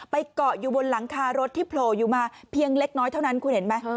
เกาะอยู่บนหลังคารถที่โผล่อยู่มาเพียงเล็กน้อยเท่านั้นคุณเห็นไหม